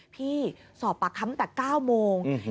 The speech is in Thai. พี่สอบปากคำแต่๙โมง